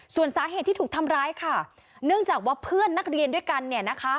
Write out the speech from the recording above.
ส่วนสาเหตุที่ถูกทำร้ายค่ะเนื่องจากว่าเพื่อนนักเรียนด้วยกันเนี่ยนะคะ